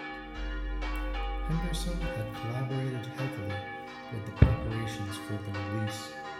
Henderson had collaborated heavily with the preparations for the release.